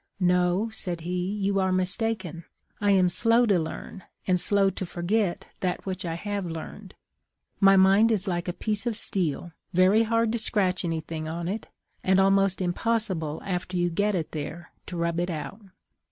' No,' said he, 'you are mistaken; I am slow to learn, and slow to forget that which I have learned. My mind is like a piece of steel — very hard to scratch anything on it, and almost impossible after you get it there to rub it out.'